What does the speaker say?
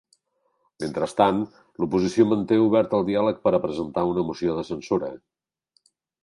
Mentrestant, l’oposició manté obert el diàleg per a presentar una moció de censura.